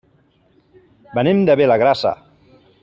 Venim de Vilagrassa.